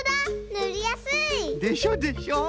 ぬりやすい！でしょでしょ？